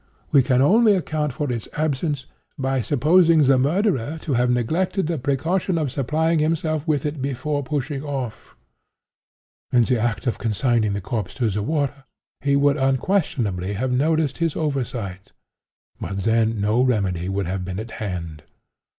We can only account for its absence by supposing the murderer to have neglected the precaution of supplying himself with it before pushing off. In the act of consigning the corpse to the water, he would unquestionably have noticed his oversight; but then no remedy would have been at hand.